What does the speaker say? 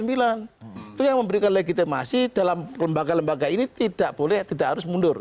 itu yang memberikan legitimasi dalam lembaga lembaga ini tidak boleh tidak harus mundur